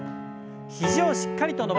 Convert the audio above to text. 肘をしっかりと伸ばして。